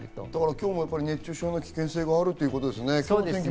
今日も熱中症の危険性があるということですね。